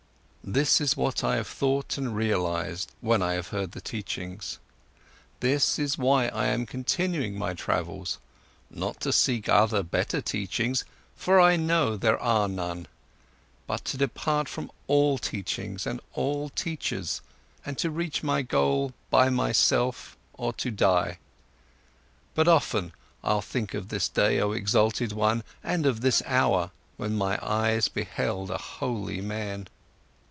This is what I have thought and realized, when I have heard the teachings. This is why I am continuing my travels—not to seek other, better teachings, for I know there are none, but to depart from all teachings and all teachers and to reach my goal by myself or to die. But often, I'll think of this day, oh exalted one, and of this hour, when my eyes beheld a holy man."